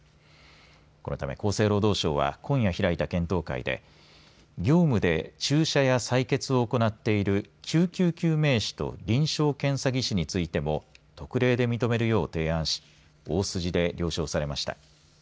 このため厚生労働省は今夜開いた検討会で業務で注射や採血を行っている救急救命士と臨床検査技師についても特例で認めるよう提案し大筋で了承されました。